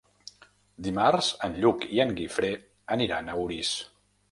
Dimarts en Lluc i en Guifré aniran a Orís.